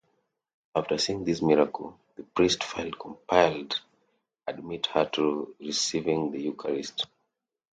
After seeing this miracle, the priest felt compelled admit her to receiving the Eucharist.